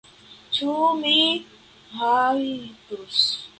Ĉu mi rajtos?